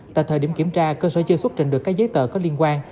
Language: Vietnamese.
tại thời điểm kiểm tra cơ sở chưa xuất trình được các giấy tờ có liên quan